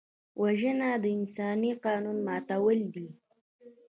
وژنه د انساني قانون ماتول دي